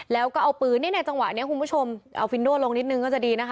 แล้วก็เอาปืนนี่ในจังหวะนี้คุณผู้ชมเอาฟินโดลงนิดนึงก็จะดีนะคะ